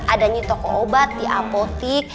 adanya toko obat di apotik